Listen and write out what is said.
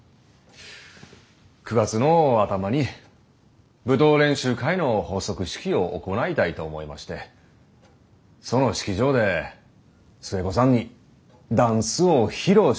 ９月の頭に舞踏練習会の発足式を行いたいと思いましてその式場で寿恵子さんにダンスを披露していただきたいのです。